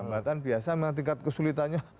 hambatan biasa tingkat kesulitanya